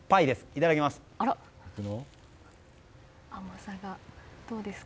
いただきます。